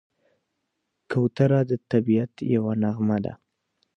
کوتره د طبیعت یوه نغمه ده.